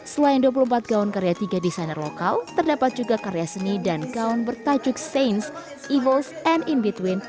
selain dua puluh empat gaun karya tiga desainer lokal terdapat juga karya seni dan gaun bertajuk sains evers and in between